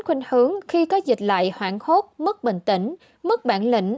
khuyên hướng khi có dịch lại hoảng hốt mất bình tĩnh mất bản lĩnh